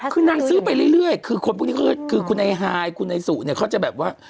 คือนางซื้อไปเรื่อยคือคุณไอ้ไฮคุณไอ้สุเขาจะแบบว่า